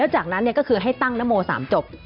จากนั้นต้องตั้งนโมสามจบ